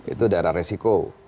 itu daerah resiko